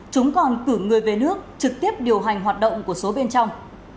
chúng còn cử người về nước trực tiếp điều hành hoạt động của số bên trong